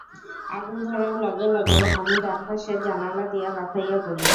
আগুন ধরার লগে লগে আমি ডান পাশের জানালা দিয়া লাফাইয়া পড়ি।